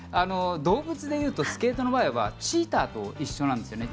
動物でいうとスケートの場合はチーターと一緒なんです。